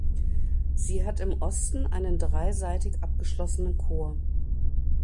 Sie hat im Osten einen dreiseitig abgeschlossenen Chor.